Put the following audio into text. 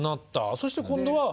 そして今度は。